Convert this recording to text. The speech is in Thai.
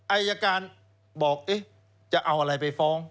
ไออาการบอกจะเอาอะไรไปฟ้อง